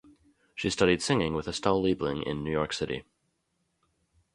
She studied singing with Estelle Liebling in New York City.